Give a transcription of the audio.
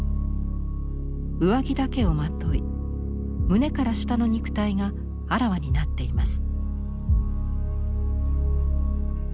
上着だけをまとい胸から下の肉体があらわになっています。